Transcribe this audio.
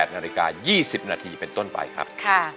๘นาฬิกา๒๐นาทีเป็นต้นไปครับ